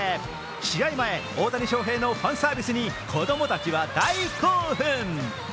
試合前、大谷翔平のファンサービスは子供たちは大興奮。